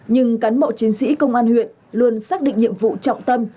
nhưng cán bộ chiến sĩ công an huyện luôn xác định nhiệm vụ trọng tâm